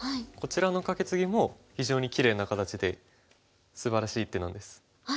こちらのカケツギも非常にきれいな形ですばらしい手なんです。